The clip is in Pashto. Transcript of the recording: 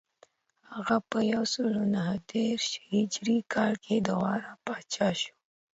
هغه په یو سل نهه دېرش هجري کال کې د غور پاچا شو